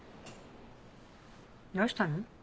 どうしたの？